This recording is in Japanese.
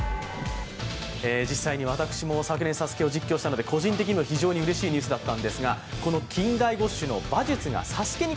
実際に私も昨年「ＳＡＳＵＫＥ」を実況したので個人的にも非常にうれしいニュースでした。